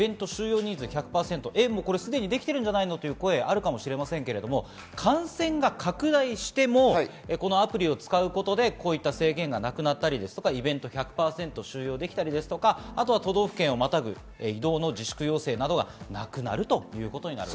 人数制限なしでの会食ができたり、イベント収容人数１００％をすでにできているんじゃないの？という声があるかもしれませんが、感染が拡大してもアプリを使うことで、こういった制限がなくなったり、イベントで１００％収容できたり、あとは都道府県をまたぐ移動の自粛要請などはなくなるということです。